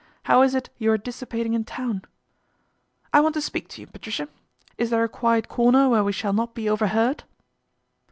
How is it you are dissipating in town ?"" I want to speak to you, Patricia. Is there a quiet corner where we shall not be overheard